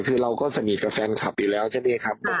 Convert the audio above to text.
คือเราก็สนิทกับแฟนคลับอยู่แล้วใช่ไหมครับ